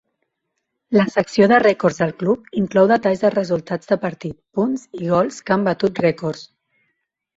La secció de rècords del club inclou detalls de resultats de partit, punts i gols que han batut rècords.